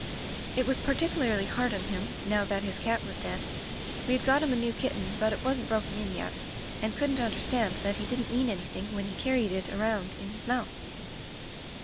"It was particularly hard on him now that his cat was dead. We had got him a new kitten, but it wasn't broken in yet, and couldn't understand that he didn't mean anything when he carried it around in his mouth.